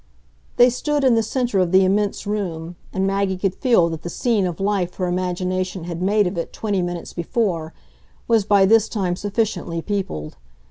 They stood in the centre of the immense room, and Maggie could feel that the scene of life her imagination had made of it twenty minutes before was by this time sufficiently peopled.